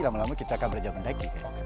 lama lama kita akan berjabat mendaki